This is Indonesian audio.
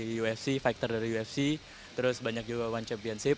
saya juga disini petarung dari ufc fighter dari ufc terus banyak juga one championship